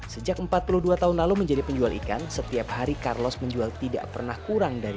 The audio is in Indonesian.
sejak empat puluh dua tahun lalu menjadi penjual ikan setiap hari carlos menjual tidak pernah kurang dari